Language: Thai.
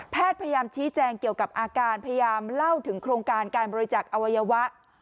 พยายามชี้แจงเกี่ยวกับอาการพยายามเล่าถึงโครงการการบริจักษ์อวัยวะ